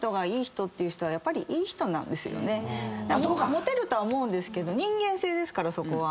モテるとは思うんですけど人間性ですからそこは。